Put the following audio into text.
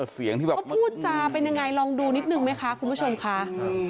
เขาพูดจาเป็นยังไงลองดูนิดนึงไหมคะคุณผู้ชมค่ะ